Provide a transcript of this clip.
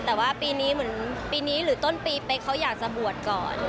แต่ว่าปีนี้เหมือนปีนี้หรือต้นปีเป๊กเขาอยากจะบวชก่อน